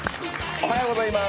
おはようございます。